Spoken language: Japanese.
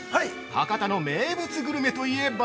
博多の名物グルメといえば？